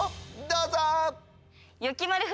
どうぞ！